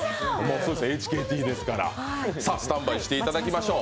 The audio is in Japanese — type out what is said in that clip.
ＨＫＴですから、スタンバイしていただきましょう。